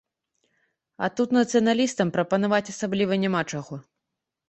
А тут нацыяналістам прапанаваць асабліва няма чаго.